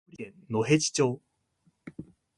青森県野辺地町